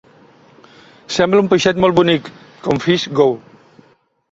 Sembla un peixet molt bonic, com FishGo.